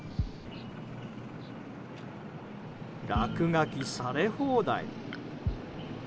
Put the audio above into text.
落書きされ放題。